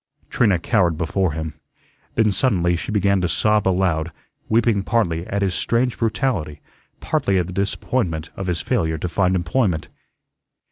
Trina cowered before him. Then suddenly she began to sob aloud, weeping partly at his strange brutality, partly at the disappointment of his failure to find employment.